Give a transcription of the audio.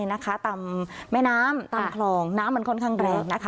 ตามแม่น้ำตามคลองน้ำมันค่อนข้างแรก